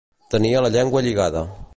Tenir la llengua lligada.